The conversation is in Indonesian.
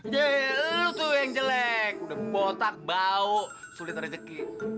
yeru tuh yang jelek udah botak bau sulit rezeki